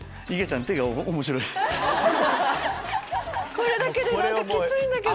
これだけできついんだけど。